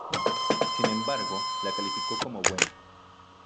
Sin embargo la calificó como "buena".